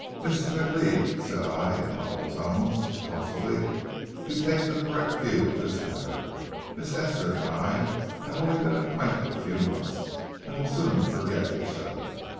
"Mrs. McLeod," said I, in humble tones, "possibly you take the correct view of this matter. Miss Esther and I have only been acquainted a few months, and will soon forget each other.